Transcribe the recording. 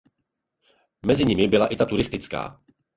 Mezi nimi byla i turistická.